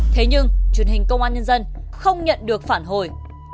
thế nhưng truyền hình công an nhân dân không nhận được phản hồi